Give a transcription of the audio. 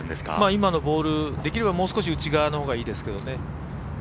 今のボール、できればもう少し内側のほうがいいですけどね。